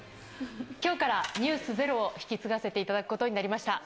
きょうからｎｅｗｓｚｅｒｏを引き継がせていただくことになりました。